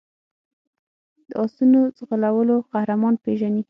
د آسونو ځغلولو قهرمان پېژني.